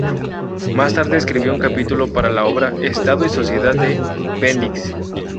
Más tarde escribió un capítulo para la obra "Estado y sociedad" de Bendix.